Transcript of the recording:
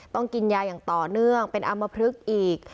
ต้องกินยาอย่างต่อเนื่องเป็นอำมพลึกอีก